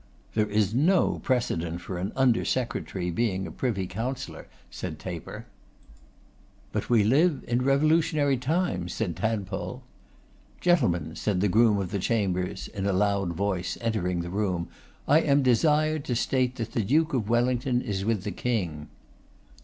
'There is no precedent for an under secretary being a privy councillor,' said Taper. 'But we live in revolutionary times,' said Tadpole. 'Gentlemen,' said the groom of the chambers, in a loud voice, entering the room, 'I am desired to state that the Duke of Wellington is with the King.